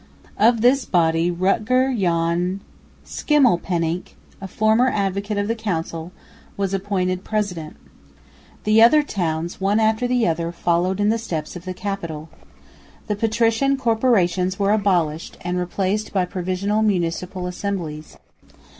Of this body Rutger Jan Schimmelpenninck, a former advocate of the Council, was appointed president. The other towns, one after the other, followed in the steps of the capital. The patrician corporations were abolished and replaced by provisional municipal assemblies.